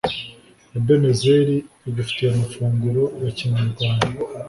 Ebenezer igufitiye amafunguro ya Kinyarwanda